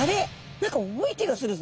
何か重い気がするぞ。